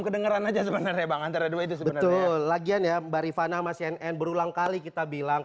kedengeran aja sebenarnya bang antara dua itu lagian ya barifana masih berulang kali kita bilang